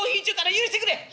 許してくれ！」。